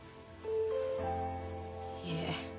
いえ。